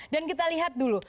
dan kita lihat dulu